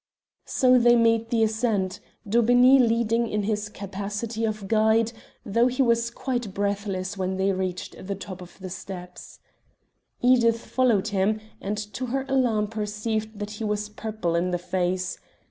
So they made the ascent, Daubeney leading in his capacity of guide, though he was quite breathless when they reached the top of the steps. Edith followed him, and to her alarm perceived that he was purple in the face.